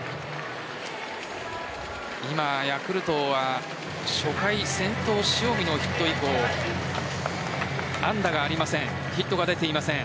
今、ヤクルトは初回先頭・塩見のヒット以降安打がありません。